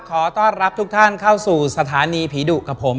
ขอต้อนรับทุกท่านเข้าสู่สถานีผีดุกับผม